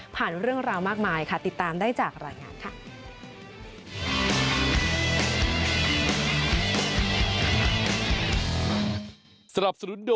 เรื่องราวมากมายค่ะติดตามได้จากรายงานค่ะ